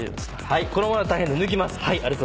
このままだと大変なんで抜きます。